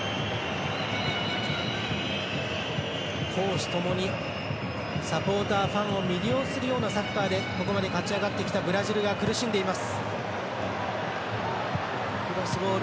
攻守ともにサポーター、ファンを魅了するようなサッカーでここまで勝ち上がってきたブラジルが苦しんでいます。